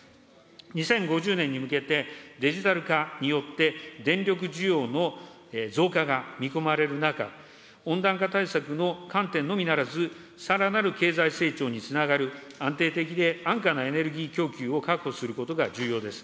２０５０年に向けて、デジタル化によって電力需要の増加が見込まれる中、温暖化対策の観点のみならず、さらなる経済成長につながる安定的で安価なエネルギー供給を確保することが重要です。